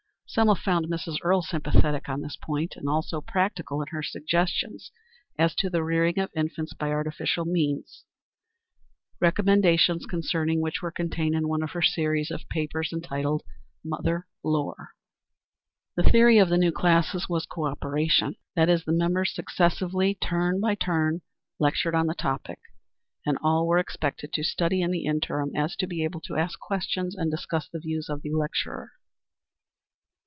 Selma found Mrs. Earle sympathetic on this point, and also practical in her suggestions as to the rearing of infants by artificial means, recommendations concerning which were contained in one of her series of papers entitled "Mother Lore." The theory of the new classes was co operation. That is, the members successively, turn by turn, lectured on the topic, and all were expected to study in the interim so as to be able to ask questions and discuss the views of the lecturer.